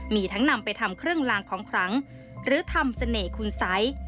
มีทั้งนำไปทำเครื่องลางของขลังหรือทำเสน่ห์คุณสัย